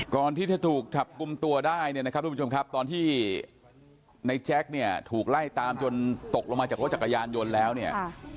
ก่อนที่จะถูกจับกลุ่มตัวได้เนี่ยนะครับทุกผู้ชมครับตอนที่ในแจ๊คเนี่ยถูกไล่ตามจนตกลงมาจากรถจักรยานยนต์แล้วเนี่ย